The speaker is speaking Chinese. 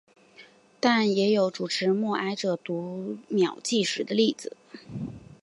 但也有主持默哀者读秒计时的例子。